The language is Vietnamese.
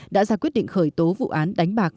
đã ra quyết định khởi tố vụ án đánh bạc